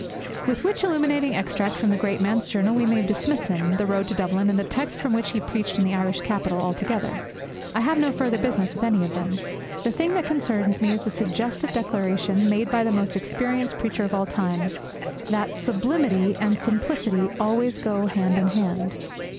With which illuminating extract from the great man's journal we may dismiss him, the road to Dublin, and the text from which he preached in the Irish capital, all together. I have no further business with any of them. The thing that concerns me is the suggestive declaration, made by the most experienced preacher of all time, that sublimity and simplicity always go hand in hand.